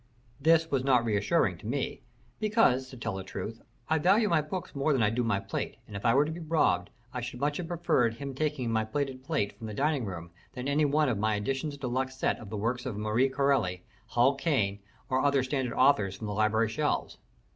This was not reassuring to me, because, to tell the truth, I value my books more than I do my plate, and if I were to be robbed I should much have preferred his taking my plated plate from the dining room than any one of my editions deluxe sets of the works of Marie Corelli, Hall Caine, and other standard authors from the library shelves.